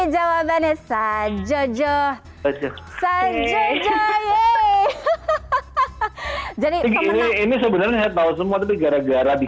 jawabannya sajodjo sajodjo yee hahaha jadi ini sebenarnya saya tahu semua tapi gara gara di